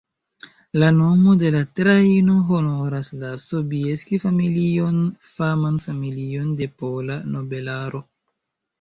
La nomo de la trajno honoras la Sobieski-familion, faman familion de pola nobelaro.